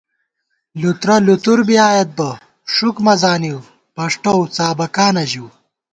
لُترہ لُتر بی آئیت بہ، ݭُک مہ زانِؤ، پݭٹؤ څابَکانہ ژِؤ